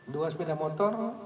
dua sepeda motor